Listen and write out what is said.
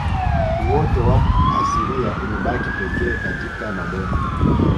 Uoto wa asilia umebaki pekee katika mabonde